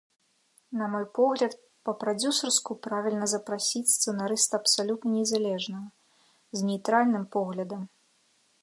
На мой погляд, па-прадзюсарску правільна запрасіць сцэнарыста абсалютна незалежнага, з нейтральным поглядам.